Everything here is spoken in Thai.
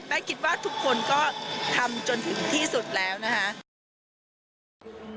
คิดว่าทุกคนก็ทำจนถึงที่สุดแล้วนะคะ